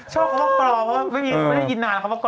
ชอบเขาก็กล่อเพราะว่าไม่ได้ยินนานเขาก็กล่อ